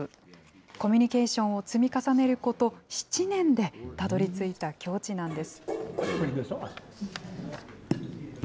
コミュニケーションを積み重ねること、７年で、たどりついた境地なんです。